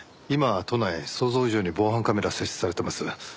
今は都内想像以上に防犯カメラ設置されてます。